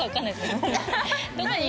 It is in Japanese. どこに。